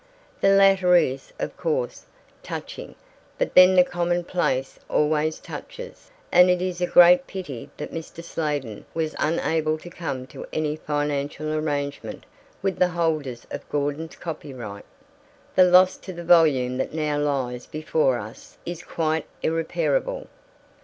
The latter is, of course, touching, but then the commonplace always touches, and it is a great pity that Mr. Sladen was unable to come to any financial arrangement with the holders of Gordon's copyright. The loss to the volume that now lies before us is quite irreparable.